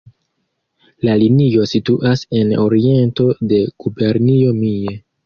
La linio situas en oriento de Gubernio Mie.